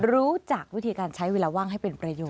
รู้จักวิธีการใช้เวลาว่างให้เป็นประโยชน